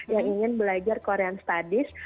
yang ingin belajar korean studies